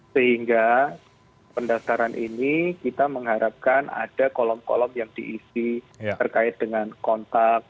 sehingga pendaftaran ini kita mengharapkan ada kolom kolom yang diisi terkait dengan kontak